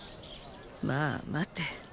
まあ待て。